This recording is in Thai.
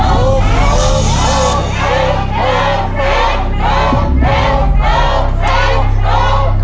โอ้โอ้โอ้